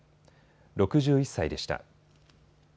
６１歳でした。